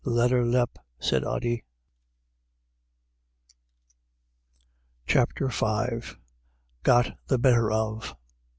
" Let her lep," said Ody. i CHAPTER V. i i GOT THE BETTER OF.